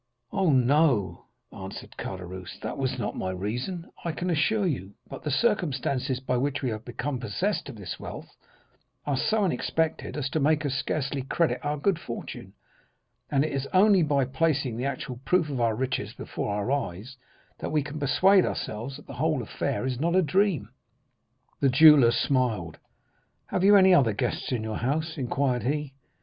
"'Oh, no,' answered Caderousse, 'that was not my reason, I can assure you; but the circumstances by which we have become possessed of this wealth are so unexpected, as to make us scarcely credit our good fortune, and it is only by placing the actual proof of our riches before our eyes that we can persuade ourselves that the whole affair is not a dream.' "The jeweller smiled. 'Have you any other guests in your house?' inquired he.